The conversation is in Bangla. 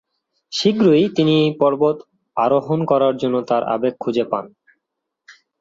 শীঘ্রই তিনি পর্বত আরোহণ করার জন্যে তার আবেগ খুঁজে পান।